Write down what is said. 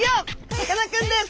さかなクンです。